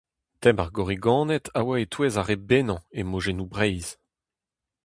Tem ar Gorriganed a oa e-touez ar re bennañ e mojennoù Breizh.